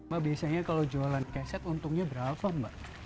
mbak biasanya kalau jualan keset untungnya berapa mbak